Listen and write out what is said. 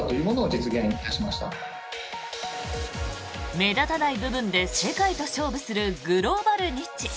目立たない部分で世界と勝負するグローバルニッチ。